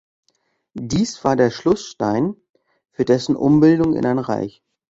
Dies war der Schlussstein für dessen Umbildung in ein Reich.